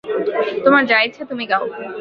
তোমার যা ইচ্ছা তুমি গাও।